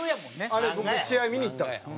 あれ僕試合見に行ったんですよ。